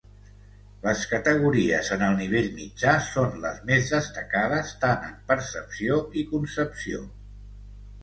Les categories en el nivell mitjà són les més destacades tan en percepció i concepció.